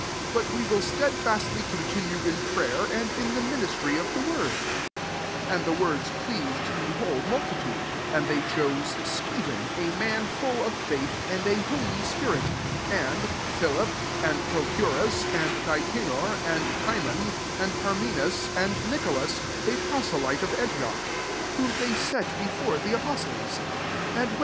4 But we will sted fastly continue in prayer, and in the ministry of the word.^ 5 And the words pleased the whole multitude: and they chose Stephen, a man fiill of faith, and a holy spirit, and Philip, and Prochorus, and Ni canor, and Timon, and Parme nas, smd Nicolas a proselyte of Antioch; 6 whom they set before the apostles: and when these * <*Proiel7tet to the Jewuh velij ch.